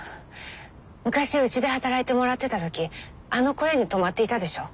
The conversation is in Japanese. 昔うちで働いてもらってた時あの小屋に泊まっていたでしょ。